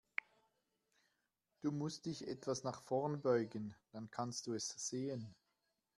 Du musst dich etwas nach vorn beugen, dann kannst du es sehen.